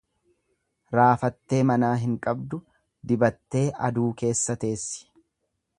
Raafattee manaa hin qabdu, dibattee aduu keessa teessi.